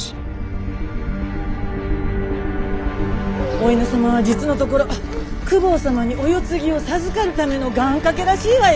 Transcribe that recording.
お犬様は実のところ公方様にお世継ぎを授かるための願かけらしいわよ。